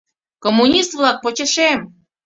— Коммунист-влак, почешем!